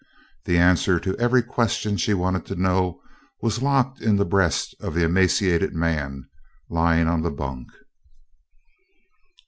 The answer to every question she wanted to know was locked in the breast of the emaciated man lying on the bunk.